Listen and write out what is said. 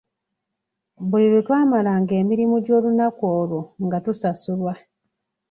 Buli lwetwamalanga emirimu gy'olunaku olwo nga tusasulwa.